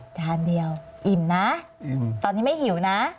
จานเดียวอิ่มนะอิ่มตอนนี้ไม่หิวนะ